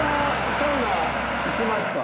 サウナ行きますか。